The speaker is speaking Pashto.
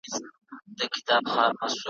پر ماشوم زړه به مي خوږه لکه کیسه لګېږې `